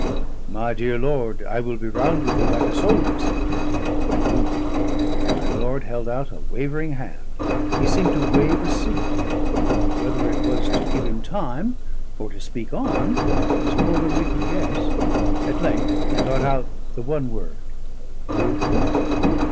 "My dear lord, I will be round with you like a soldier," said the Colonel. "I do." My lord held out a wavering hand; he seemed to wave a signal, but whether it was to give him time or to speak on, was more than we could guess. At length he got out the one word, "Good?"